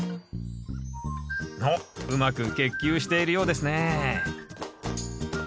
おっうまく結球しているようですね